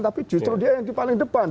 tapi justru dia yang di paling depan